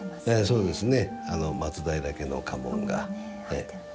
そうですね。